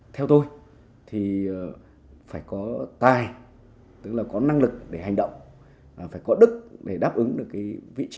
theo tôi thì phải có tài tức là có năng lực để hành động phải có đức để đáp ứng được cái vị trí